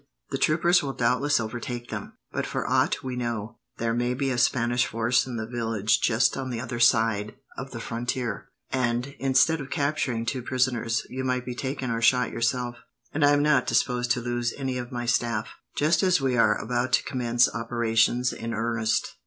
"The troopers will doubtless overtake them; but for aught we know, there may be a Spanish force in the village just on the other side of the frontier, and, instead of capturing two prisoners, you might be taken or shot yourself; and I am not disposed to lose any of my staff, just as we are about to commence operations in earnest."